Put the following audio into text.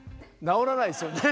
直らないですよね。